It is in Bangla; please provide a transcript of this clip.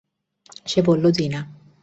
সে বলল, জ্বী না।